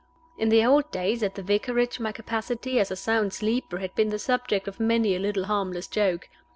In the old days at the Vicarage my capacity as a sound sleeper had been the subject of many a little harmless joke.